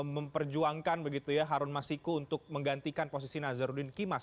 memperjuangkan begitu ya harun masiku untuk menggantikan posisi nazarudin kimas